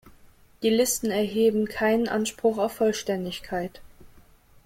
Die Listen erheben keinen Anspruch auf Vollständigkeit.